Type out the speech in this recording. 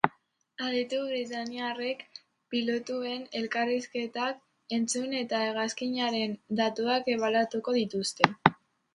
Aditu britainiarrek pilotuen elkarrizketak entzun eta hegazkinaren datuak ebaluatuko dituzte.